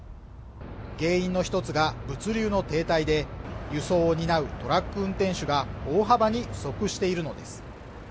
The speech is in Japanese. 原因の一つが物流の停滞で輸送を担うトラック運転手が大幅に不足しているのです